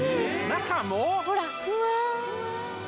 中も！？